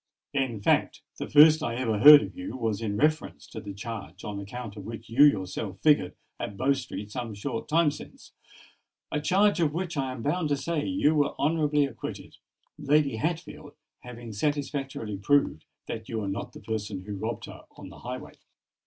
In fact, the first I ever heard of you was in reference to the charge on account of which you yourself figured at Bow Street some short time since,—a charge of which, I am bound to say, you were honourably acquitted, Lady Hatfield having satisfactorily proved that you were not the person who robbed her on the highway."